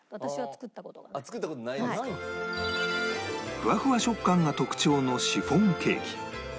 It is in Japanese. フワフワ食感が特徴のシフォンケーキ